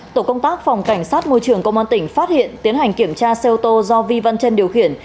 tổ công tác phòng cảnh sát môi trường công an tỉnh phát hiện tiến hành kiểm tra xe ô tô do vi văn trân điều khiển